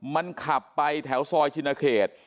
มันขับไปแถวซอยชินเขต